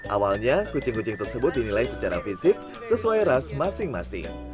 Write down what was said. awalnya kucing kucing tersebut dinilai secara fisik sesuai ras masing masing